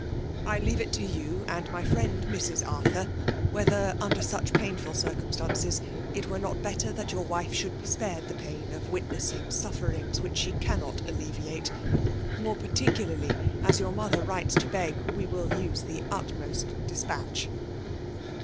I leave it to ytm and my friend Mrs. Arthur^ whether, under ■oeh painful circumstances, it were not bettey that your wife should be spared the pain <tf Witnessing sufferings whidi she cannot aBe «ate, more particularly as your mother writes to heg we wiU use the utmost despatch.